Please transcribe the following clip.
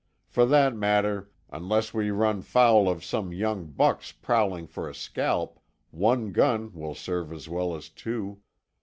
For that matter, unless we run foul of some young bucks prowling for a scalp, one gun will serve as well as two.